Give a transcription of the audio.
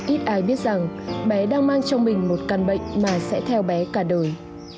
ít ai biết rằng bé đang mang trong mình một căn bệnh mà sẽ theo bé cả đời